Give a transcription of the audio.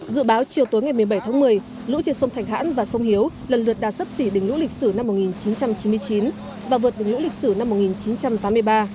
dự báo chiều tối ngày một mươi bảy tháng một mươi lũ trên sông thành hãn và sông hiếu lần lượt đạt sấp xỉ đỉnh lũ lịch sử năm một nghìn chín trăm chín mươi chín và vượt đỉnh lũ lịch sử năm một nghìn chín trăm tám mươi ba